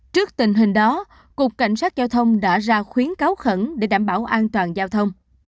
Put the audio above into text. trước tình hình đó cục cảnh sát giao thông đã ra khuyến cáo khẩn để đảm bảo an toàn giao thông